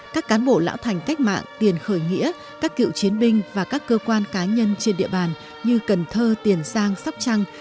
các cán bộ lão thành cách mạng tiền khởi nghĩa các cựu chiến binh và các cơ quan cá nhân trên địa bàn như cần thơ tiền giang sóc trăng